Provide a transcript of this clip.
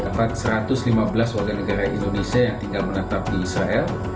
terdapat satu ratus lima belas warga negara indonesia yang tinggal menetap di israel